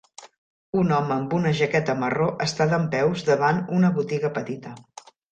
Un home amb una jaqueta marró està dempeus davant una botiga petita.